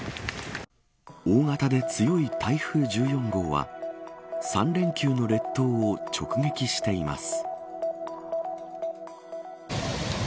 大型で強い台風１４号は３連休の列島を直撃しています。